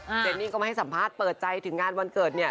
เจนนี่ก็ไม่ให้สัมภาษณ์เปิดใจถึงงานวันเกิดเนี่ย